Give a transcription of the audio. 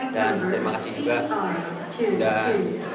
dan terima kasih juga sudah besar besaran sampai di sini